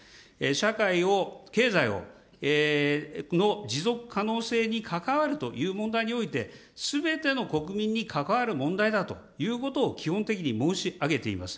社会を、経済の持続可能性に関わるという問題において、すべての国民に関わる問題だということを基本的に申し上げています。